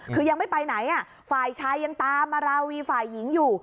คือยังไม่ไปไหนฝ่ายชายยังตามมาราวีฝ่ายหญิงอยู่